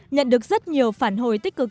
nhận được rất nhiều phản hồi tích cực